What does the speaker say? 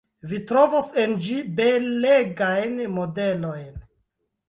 Vi trovos en ĝi belegajn modelojn.